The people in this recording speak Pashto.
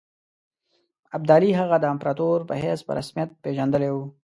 ابدالي هغه د امپراطور په حیث په رسمیت پېژندلی وو.